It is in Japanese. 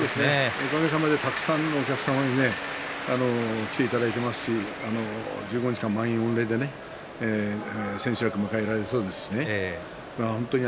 おかげさまでたくさんのお客様に来ていただいていますし１５日間満員御礼でね千秋楽を迎えられそうですしね。